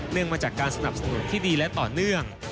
มาจากการสนับสนุนที่ดีและต่อเนื่อง